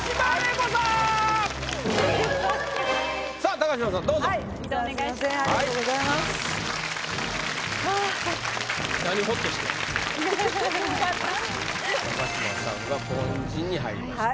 高島さんが凡人に入りました。